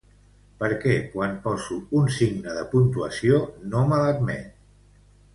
Per què quan poso un signe de puntuació no me l'admet?